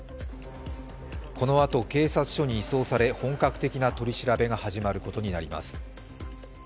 このあと、警察署に移送され本格的な取り調べが始まることになります。